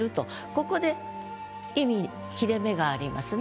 ここで意味切れ目がありますね。